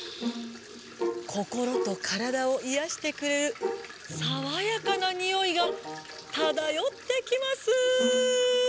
こころとからだをいやしてくれるさわやかなにおいがただよってきます。